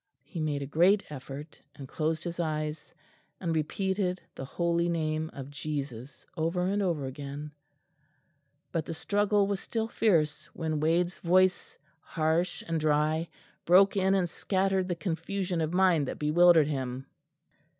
He made a great effort, and closed his eyes, and repeated the holy name of Jesus over and over again; but the struggle was still fierce when Wade's voice, harsh and dry, broke in and scattered the confusion of mind that bewildered him.